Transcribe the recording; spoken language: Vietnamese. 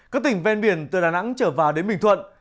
các tỉnh ven biển từ đà nẵng trở vào đến bình thuận